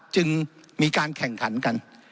จึงมีการแข่งขันกัน